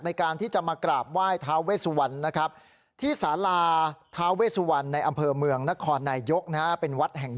ดูน่ะลากกรอนไปด้วย